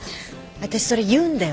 私それ言うんだよね。